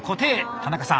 田中さん